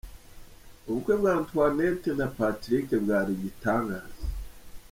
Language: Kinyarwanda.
Ubukwe bwa Antoinette na Patrick bwari igitangaza.